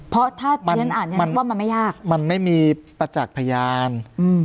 เพราะถ้าท่านอ่านว่ามันไม่ยากมันไม่มีประจักษ์พยานอืม